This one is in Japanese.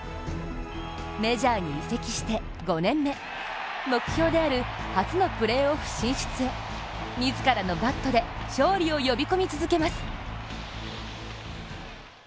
メジャーに移籍して５年目、目標である初のプレーオフ進出へ、自らのバットで勝利を呼び込み続けます。